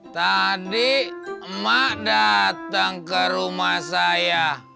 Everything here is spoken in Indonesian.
tadi emak datang ke rumah saya